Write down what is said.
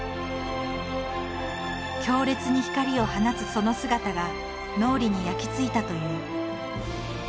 強烈に光を放つその姿が脳裏に焼きついたという。